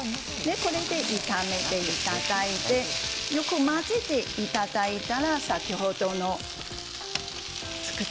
これで炒めていただいてよく混ぜていただいたら先ほどの作った。